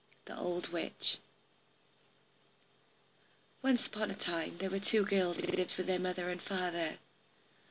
The Old Witch Once upon a time there were two girls who lived with their mother and father.